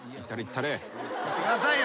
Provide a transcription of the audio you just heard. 言ってくださいよ